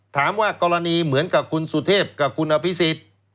ถามว่ากรณีเหมือนกับคุณสุเทพกับคุณอภิษฎ